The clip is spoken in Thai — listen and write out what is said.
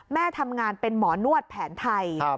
แม่ทำงานเป็นหมอนวดแผนไทย